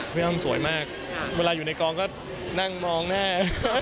พี่อ้ำสวยมากเวลาอยู่ในกองก็นั่งมองหน้า